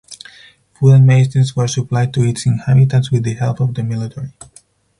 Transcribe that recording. Food and medicines were supplied to its inhabitants with the help of the military.